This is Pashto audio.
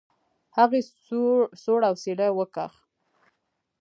هغې سوړ اسويلى وکېښ.